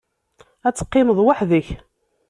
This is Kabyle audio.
Ad teqqimeḍ weḥd-k.